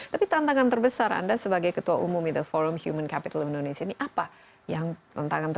tapi tantangan terbesar anda sebagai ketua umum itu forum human capital indonesia ini apa yang tantangan terbesar